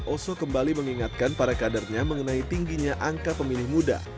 oso kembali mengingatkan para kadernya mengenai tingginya angka pemilih muda